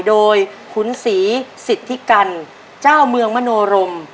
โดยขุนศรีสิทธิกันเจ้าเมืองมโนรม